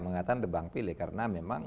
mengatakan tebang pilih karena memang